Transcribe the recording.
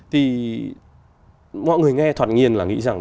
thì mọi người nghe thoạt nghiền là nghĩ rằng